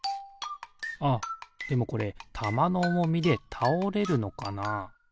あっでもこれたまのおもみでたおれるのかな？